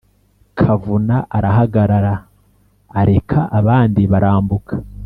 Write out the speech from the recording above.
” kavuna arahagarara, areka abandi barambuka